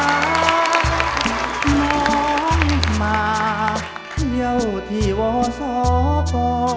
น้องมาเที่ยวที่วศก